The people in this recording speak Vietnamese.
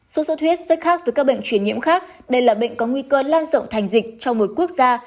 sốt xuất huyết rất khác với các bệnh truyền nhiễm khác đây là bệnh có nguy cơ lan rộng thành dịch trong một quốc gia